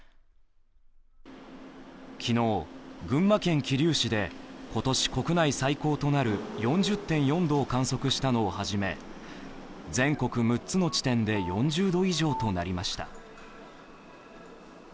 昨日、群馬県桐生市で今年国内最高となる４０．４度を観測したのを始め全国６つの地点で４０度以上となりました。